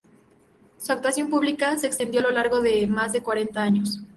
Su actuación pública se extendió a lo largo de más de cuarenta años.